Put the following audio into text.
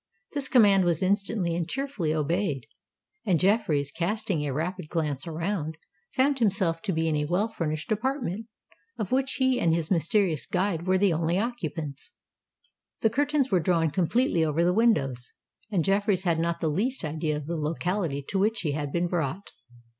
This command was instantly and cheerfully obeyed; and Jeffreys, casting a rapid glance around, found himself to be in a well furnished apartment, of which he and his mysterious guide were the only occupants. The curtains were drawn completely over the windows; and Jeffreys had not the least idea of the locality to which he had been brought.